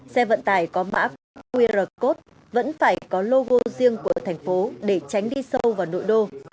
xe vận tải có mã quét qr code vẫn phải có logo riêng của thành phố để tránh đi sâu vào nội đô